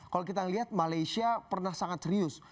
kalau kita melihat malaysia pernah sangat serius